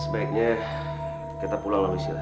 sebaiknya kita pulang lalu istilah